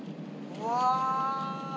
うわ！